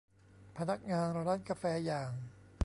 พนักงานร้านกาแฟอย่าง